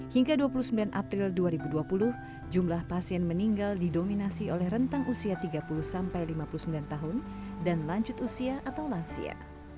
hingga dua puluh sembilan april dua ribu dua puluh jumlah pasien meninggal didominasi oleh rentang usia tiga puluh sampai lima puluh sembilan tahun dan lanjut usia atau lansia